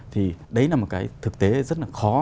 thì đấy là một cái thực tế rất là khó